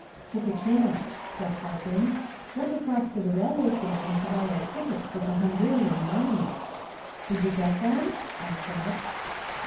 "Took a chance," said Parkins. "Went across to the railway station to buy our tickets with the Hungarian money." "Did you get them?" I said.